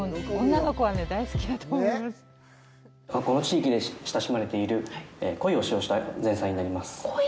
この地域で親しまれているこいを使用した前菜になります。